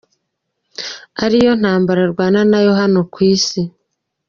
ari yo ntambara arwana nayo hano ku isi.